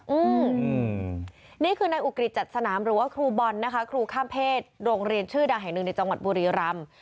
อืมนี่คือนายอุกฤษจัดสนามหรือว่าครูบอลนะคะครูข้ามเพศโรงเรียนชื่อดังแห่งหนึ่งในจังหวัดบุรีรำ